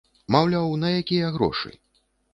Маўляў, на якія грошы?